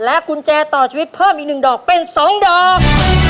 กุญแจต่อชีวิตเพิ่มอีก๑ดอกเป็น๒ดอก